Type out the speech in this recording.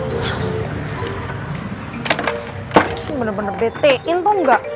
ini bener bener betein tau nggak